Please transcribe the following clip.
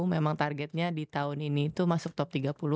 memang targetnya di tahun ini itu masuk top tiga puluh